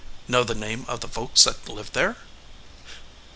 "Know the name of the folks that live there?"